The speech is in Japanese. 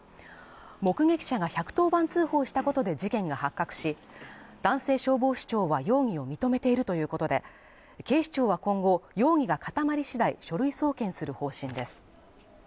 目撃者が１１０番通報したことで事件が発覚し、男性消防士長は容疑を認めているということで警視庁は今後、容疑が固まり次第、書類送検する方針です。